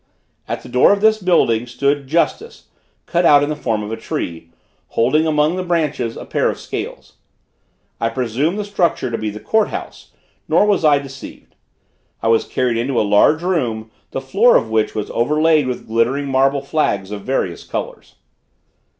At the door of this building stood Justice, cut out in the form of a tree, holding among the branches a pair of scales. I presumed the structure to be the court house, nor was I deceived. I was carried into a large room, the floor of which was overlaid with glittering marble flags of various colors.